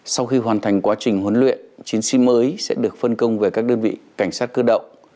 sau khi hoàn thành quá trình huấn luyện chiến sĩ mới sẽ được phân công về các đơn vị cảnh sát cơ động